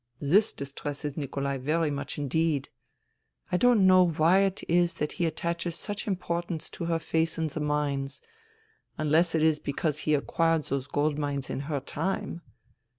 This distresses Nikolai very much indeed. I don't know why it is that he attaches such impor tance to her faith in the mines, unless it is because he acquired those gold mines in her time.